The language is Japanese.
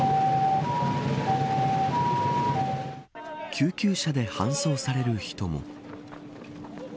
救急車で搬送される人も。